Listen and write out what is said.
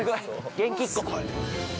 元気っ子。